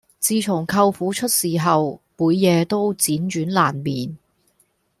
自從舅父出事後每夜都輾轉難眠